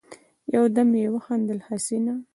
يودم يې وخندل: حسينه!